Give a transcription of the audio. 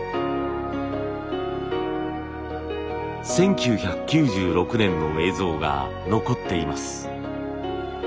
１９９６年の映像が残っています。